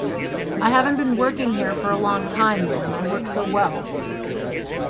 I haven't been here for a long time, man, I work so well.